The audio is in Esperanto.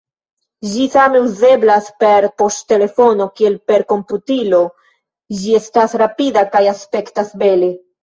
Ĝi same uzeblas per poŝtelefono kiel per komputilo, ĝi estas rapida kaj aspektas bele.